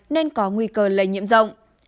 nên có nguy cơ lây nhiễm rộng